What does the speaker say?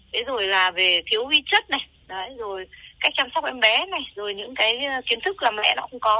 thế rồi là về thiếu vi chất này rồi cách chăm sóc em bé này rồi những cái kiến thức làm mẹ nó cũng có